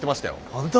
本当？